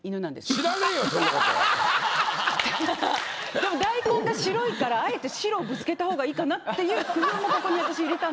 でも大根が白いからあえて白をぶつけた方がいいかなっていう工夫もここに私入れたんですけど。